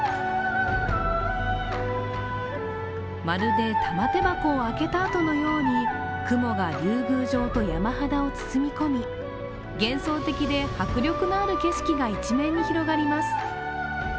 まるで玉手箱を開けたあとのように雲が竜宮城と山肌を包み込み幻想的で迫力のある景色が一面に広がります。